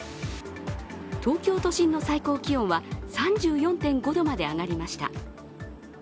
東京都心の最高気温は３４．５度まで上がりました